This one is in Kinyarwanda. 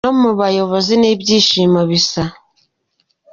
No mu bayobozi ni ibyshimo bisa.